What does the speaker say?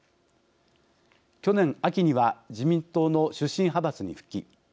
去年、秋には自民党の出身派閥に復帰。